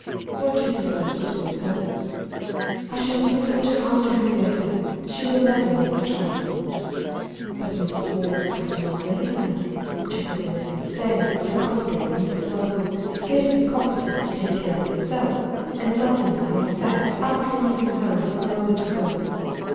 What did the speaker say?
"What do you propose to do with her?" "I shall leave her to Aunt Henrietta she will never let the child want." "But Mrs. Waugh is quite an old lady now. Jacquelina is insane, the commodore and Mrs. L'Oiseau scarcely competent to take care of themselves and Luckenough a sad, unpromising home for a little girl."